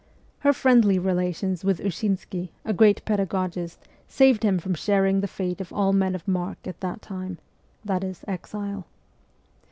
Her friendly rela tions with Ushinsky, a great pedagogist, saved him from sharing the fate of all men of mark of that time that is, exile.